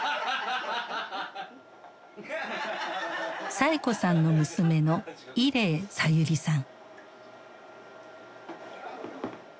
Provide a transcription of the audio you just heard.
サエ子さんの娘の伊禮さゆりさん。